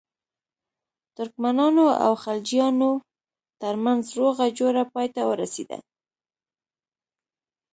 ترکمنانو او خلجیانو ترمنځ روغه جوړه پای ته ورسېده.